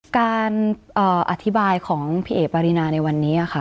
การอธิบายของพี่เอ๋ปารีนาในวันนี้ค่ะ